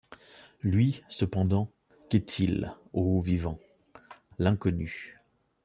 Lui cependant, qu’est-il, ô vivants ? l’inconnu.